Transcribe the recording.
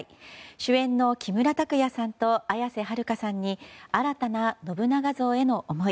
主演の木村拓哉さんと綾瀬はるかさんに新たな信長像への思い